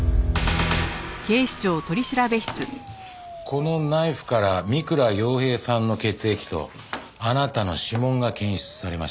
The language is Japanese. このナイフから三倉陽平さんの血液とあなたの指紋が検出されました。